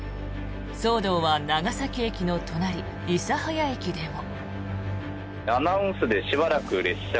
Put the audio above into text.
騒動は長崎駅の隣、諫早駅でも。